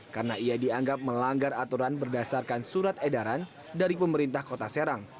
karena ia dianggap melanggar aturan berdasarkan surat edaran dari pemerintah kota serang